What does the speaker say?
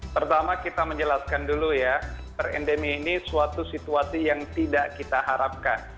pertama kita menjelaskan dulu ya per endemi ini suatu situasi yang tidak kita harapkan